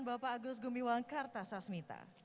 bapak agus gumiwang kartasasmita